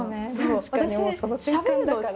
確かにもうその瞬間だから。